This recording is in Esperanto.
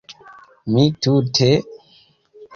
Mi tute...